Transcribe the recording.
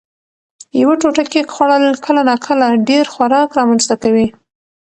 یوه ټوټه کېک خوړل کله ناکله ډېر خوراک رامنځ ته کوي.